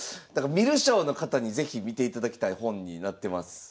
だから観る将の方に是非見ていただきたい本になってます。